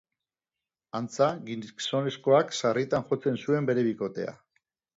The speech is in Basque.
Antza, gizonezkoak sarritan jotzen zuen bere bikotea.